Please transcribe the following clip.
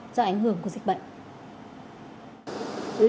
do ảnh hưởng của dịch bệnh